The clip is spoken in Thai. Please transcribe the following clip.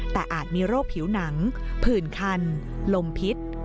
แต่อาจมีโรคผิวหนังผื่นคันลมพิษ